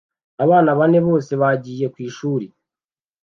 Abana bane bose bagiye kw’ishuri